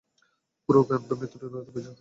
পুরো ক্যাম্পে মৃত্যুর নীরবতা বিরাজ করছিল।